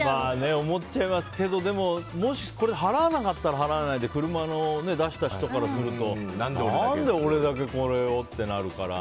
思っちゃいますけどもし払わなかったら払わないで車を出した人からすると何で俺だけってなるから。